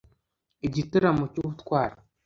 igitaramo cy'ubutwari